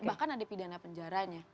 bahkan ada pidana penjaranya